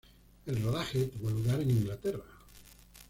El rodaje tuvo lugar en Inglaterra.